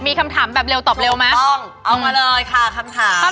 มีคำถามแบบเร็วตอบเร็วไหมถูกต้องเอามาเลยค่ะคำถาม